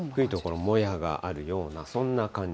もやがあるような、そんな感じ。